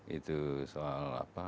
itu soal apa